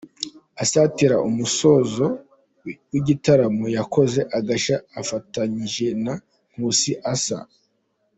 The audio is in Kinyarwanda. Asatira umusozo w’igitaramo yakoze agashya afatanyije na Nkusi Arthur.